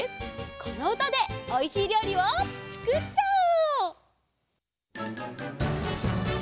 このうたでおいしいりょうりをつくっちゃおう！